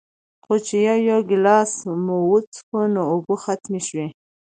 خو چې يو يو ګلاس مو وڅښو نو اوبۀ ختمې شوې